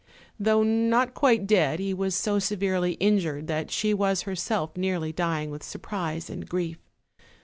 Though not quite dead, he was so severely injured that she was herself nearly dying with surprise and grief.